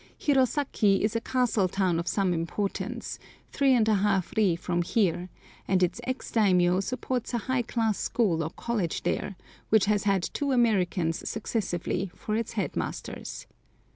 Hirosaki is a castle town of some importance, 3½ ri from here, and its ex daimiyô supports a high class school or college there, which has had two Americans successively for its headmasters.